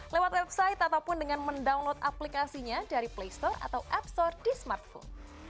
lewat website ataupun dengan mendownload aplikasinya dari play store atau app store di smartphone